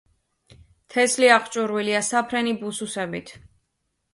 თესლი „აღჭურვილია“ საფრენი ბუსუსებით.